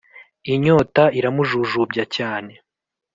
inyota iramujujubya cyane.